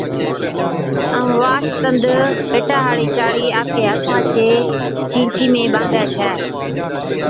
ائُون واھچ تند پيٽا ھاڙِي چاڙَي آپڪِي ھٿا چِي چِيچي ۾ ٻانڌَي ڇَي